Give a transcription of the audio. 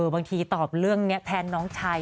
บางทีตอบเรื่องนี้แทนน้องชาย